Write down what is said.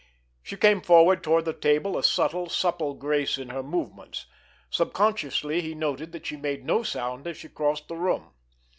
She came forward toward the table, a subtle, supple grace in her movements. Subconsciously he noted that she made no sound as she crossed the room.